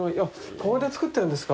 ここで作ってるんですか？